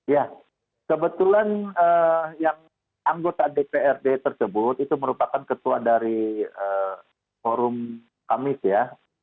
ya kebetulan yang anggota dprd tersebut itu merupakan ketua dari forum kamis ya